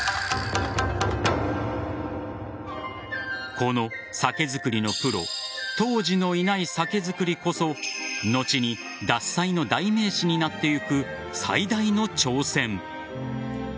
この酒造りのプロ杜氏のいない酒造りこそ後に獺祭の代名詞になっていく最大の挑戦。